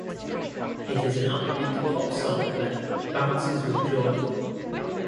It is an upbeat pop song that "bounces with joy".